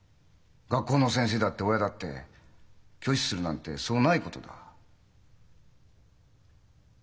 学校の先生だって親だって拒否するなんてそうないことだ。